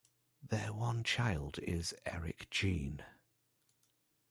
Their one child is Eric Gene.